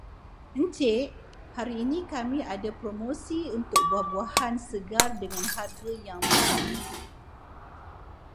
Encik, hari ini kami ada promosi untuk buah-buahan segar dengan harga yang murah.